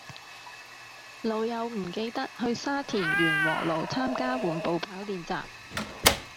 老友唔記得去沙田源禾路參加緩步跑練習